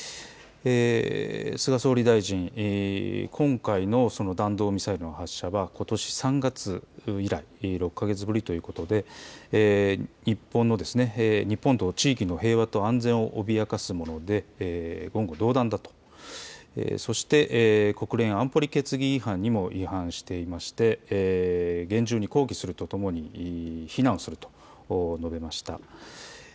菅総理大臣、今回の弾道ミサイルの発射はことし３月以来６か月ぶりということで日本と地域の平和と安全を脅かすもので言語道断だとそして、国連安保理決議にも違反しているとして厳重に抗議するとともに非難をすると述べました。